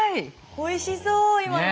おいしそう今の。